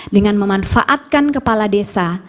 dengan memanfaatkan kepala desa